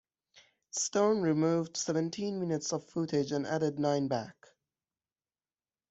Stone removed seventeen minutes of footage and added nine back.